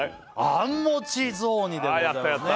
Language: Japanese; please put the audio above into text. あんもち雑煮でございますね